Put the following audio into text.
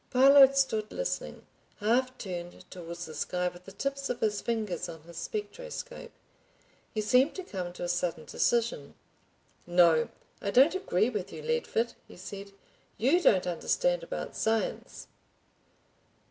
Parload stood listening, half turned towards the sky with the tips of his fingers on his spectroscope. He seemed to come to a sudden decision. "No. I don't agree with you, Leadford," he said. "You don't understand about science."